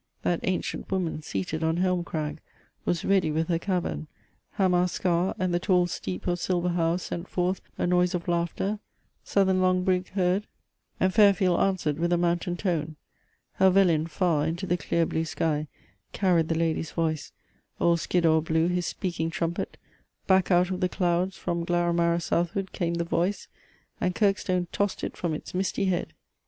That ancient woman seated on Helm crag Was ready with her cavern; Hammar scar And the tall Steep of Silver How sent forth A noise of laughter; southern Lougbrigg heard, And Fairfield answered with a mountain tone. Helvellyn far into the clear blue sky Carried the lady's voice! old Skiddaw blew His speaking trumpet! back out of the clouds From Glaramara southward came the voice: And Kirkstone tossed it from its misty head!"